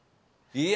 いや！